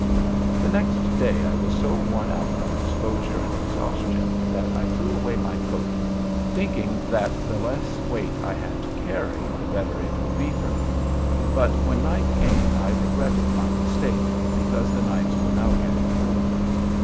The next day I was so worn out from exposure and exhaustion that I threw away my coat, thinking that the less weight I had to carry the better it would be for me, but when night came I regretted my mistake, because the nights were now getting colder.